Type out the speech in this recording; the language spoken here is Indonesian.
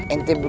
eh tapi kan